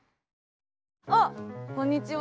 あっこんにちは。